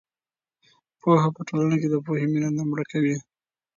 پوهه په ټولنه کې د پوهې مینه نه مړه کوي.